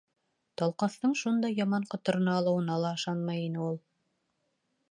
Талҡаҫтың шундай яман ҡоторона алыуына ла ышанмай ине ул.